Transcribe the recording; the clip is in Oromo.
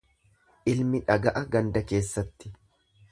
Ilmi dhaga'a ganda keessatti.